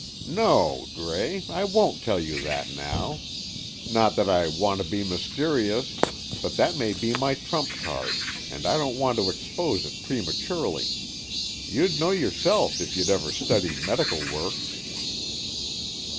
"No, Gray, I won't tell you that now. Not that I want to be mysterious, but that may be my trump card, and I don't want to expose it prematurely. You'd know yourself if you'd ever studied medical works."